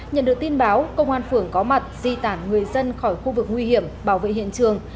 nhận được tin báo công an phường có mặt di tản người dân khỏi khu vực nguy hiểm bảo vệ hiện trường